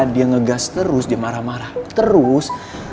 dia ngegas terus dia marah marah terus